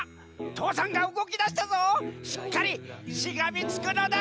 父山がうごきだしたぞしっかりしがみつくのだ！